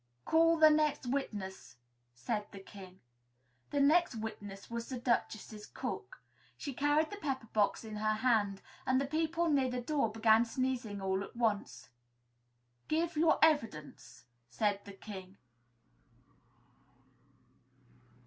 "Call the next witness!" said the King. The next witness was the Duchess's cook. She carried the pepper box in her hand and the people near the door began sneezing all at once. "Give your evidence," said the King.